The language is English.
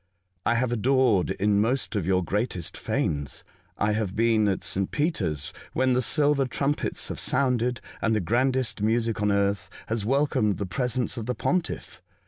I have adored in most of your greatest fanes. I have been at S. Peter's when the silver trumpets have sounded and the grandest music on earth has welcomed the presence of the Pontiff.